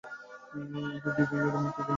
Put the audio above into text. এই দুটো ব্যাঙের মতো ব্যাঙ আমি কখনও দেখিনি।